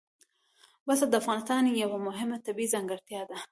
پسه د افغانستان یوه مهمه طبیعي ځانګړتیا ده.